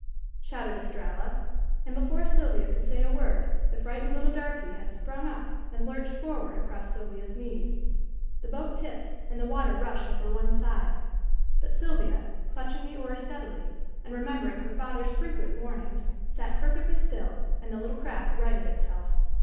shouted Estralla, and before Sylvia could say a word the frightened little darky had sprung up and lurched forward across Sylvia's knees. The boat tipped and the water rushed over one side, but Sylvia, clutching the oars steadily, and remembering her father's frequent warnings, sat perfectly still and the little craft righted itself.